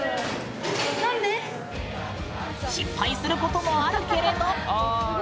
失敗することもあるけれど。